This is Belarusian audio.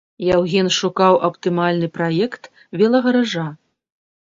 Яўген шукаў аптымальны праект велагаража.